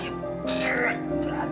yuk kita berangkat yuk